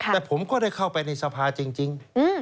แต่ผมก็ได้เข้าไปในสภาจริง